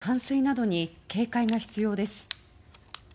土砂災害や河川の氾濫道路の冠水などに警戒が必要です。